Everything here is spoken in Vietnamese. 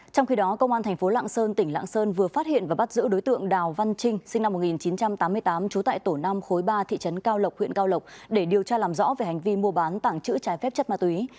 trong khi đó công an thành phố lạng sơn tỉnh lạng sơn vừa phát hiện và bắt giữ đối tượng đào văn trinh sinh năm một nghìn chín trăm tám mươi tám trú tại tổ năm khối ba thị trấn cao lộc huyện cao lộc để điều tra làm rõ về hành vi mua bán tảng chữ trái phép chất ma túy